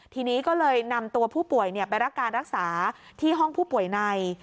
ทีนี้ก็เลยนำตัวผู้ป่วยไปรับการรักษาที่ห้องผู้ป่วยใน